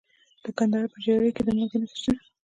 د کندهار په ژیړۍ کې د مالګې نښې شته.